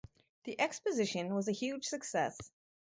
The exposition was a huge success.